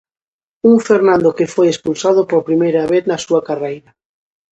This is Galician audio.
Un Fernando que foi expulsado por primeira vez na súa carreira.